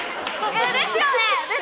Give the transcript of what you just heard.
ですよね！